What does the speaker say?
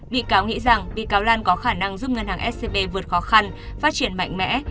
bị cáo nghĩ rằng bị cáo lan có khả năng giúp ngân hàng scb vượt khó khăn phát triển mạnh mẽ